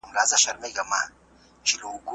ښه وکړئ چې ښه در سره وشي.